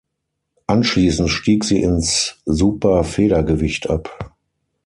Anschließend stieg sie ins Superfedergewicht ab.